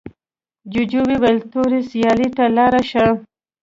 جوجو وویل تورې سیارې ته لاړ شه.